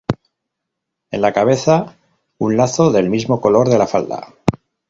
En la cabeza un lazo del mismo color de la falda.